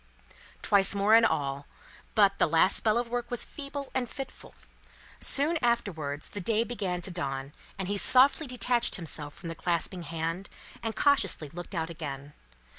Twice more in all; but, the last spell of work was feeble and fitful. Soon afterwards the day began to dawn, and he softly detached himself from the clasping hand, and cautiously looked out again.